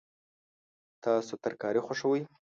تاسو ترکاري خوښوئ؟